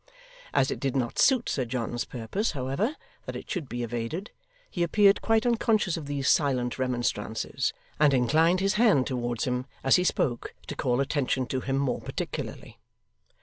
As it did not suit Sir John's purpose, however, that it should be evaded, he appeared quite unconscious of these silent remonstrances, and inclined his hand towards him, as he spoke, to call attention to him more particularly.